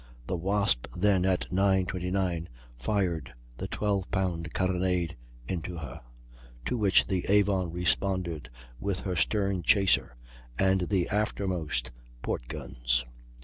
The Wasp then, at 9.29, fired the 12 pound carronade into her, to which the Avon responded with her stern chaser and the aftermost port guns.